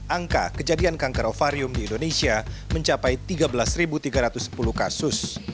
angka kejadian kanker ovarium di indonesia mencapai tiga belas tiga ratus sepuluh kasus